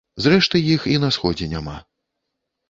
Зрэшты, іх і на сходзе няма.